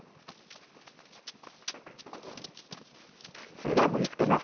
それでは盛り付けます。